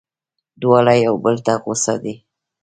دواړه یو بل ته غوسه دي.